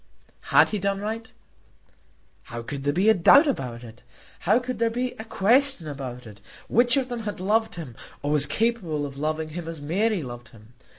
Had he done right? How could there be a doubt about it? How could there be a question about it? Which of them had loved him, or was capable of loving him as Mary loved him?